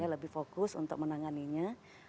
lebih fokus untuk menanganinya